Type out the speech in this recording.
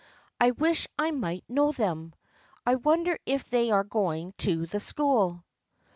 I wish I might know them. I wonder if they are going to the school.